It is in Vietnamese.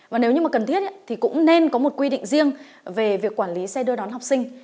và nếu như mà cần thiết thì cũng nên có một quy định riêng về việc quản lý xe đưa đón học sinh